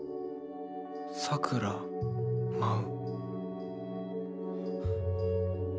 さくら舞う。